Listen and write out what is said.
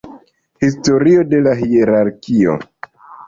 Historio de la hierarkio.